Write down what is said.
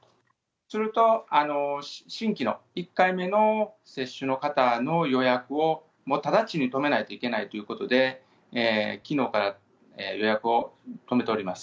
すると、新規の１回目の接種の方の予約を、もう直ちに止めないといけないということで、きのうから予約を止めております。